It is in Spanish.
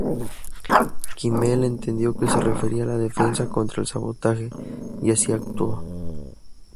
Kimmel entendió que se refería a la defensa contra el sabotaje, y así actuó.